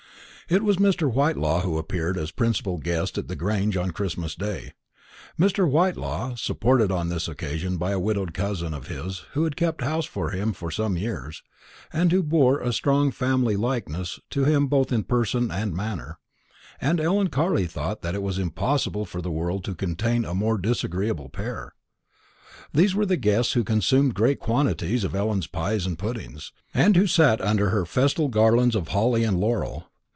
It was Mr. Whitelaw who appeared as principal guest at the Grange on Christmas day; Mr. Whitelaw, supported on this occasion by a widowed cousin of his who had kept house for him for some years, and who bore a strong family likeness to him both in person and manner, and Ellen Carley thought that it was impossible for the world to contain a more disagreeable pair. These were the guests who consumed great quantities of Ellen's pies and puddings, and who sat under her festal garlands of holly and laurel.